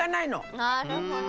なるほど。